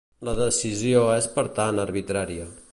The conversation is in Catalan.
La decisió és per tant arbitrària.